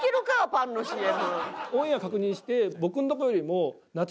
パンのＣＭ。